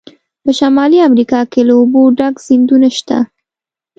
په شمالي امریکا کې له اوبو ډک سیندونه شته.